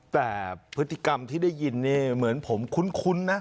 แต่พฤติกรรมที่ได้ยินนี่เหมือนผมคุ้นนะ